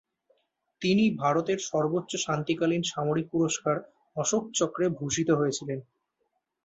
তিনি ভারতের সর্বোচ্চ শান্তিকালীন সামরিক পুরস্কার অশোক চক্রে ভূষিত হয়েছিলেন।